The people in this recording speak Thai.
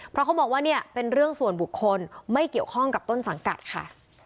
เพราะเขามองว่าเนี่ยเป็นเรื่องส่วนบุคคลไม่เกี่ยวข้องกับต้นสังกัดค่ะ